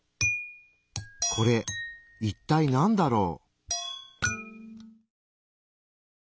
これいったいなんだろう？